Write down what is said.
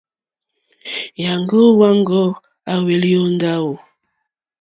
Nyàŋgo wàŋgo à hwelì o ndawò?